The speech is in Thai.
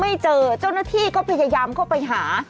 ไม่เจอเจ้าหน้าที่ก็พยายามเข้าไปหา